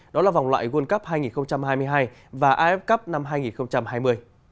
đó là vòng loại world cup hai nghìn hai mươi hai và af cup năm hai nghìn hai mươi